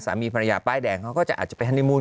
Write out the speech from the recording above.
สามีภรรยาป้ายแดงเขาก็จะอาจจะไปฮันนิมูล